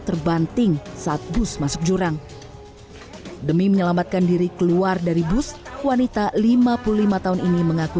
terbanting saat bus masuk jurang demi menyelamatkan diri keluar dari bus wanita lima puluh lima tahun ini mengaku